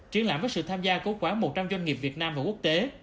triển lãm với sự tham gia cố quán một trăm linh doanh nghiệp việt nam và quốc tế